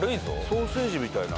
ソーセージみたいな。